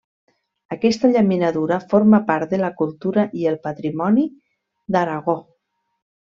Aquesta llaminadura forma part de la cultura i el patrimoni d'Aragó.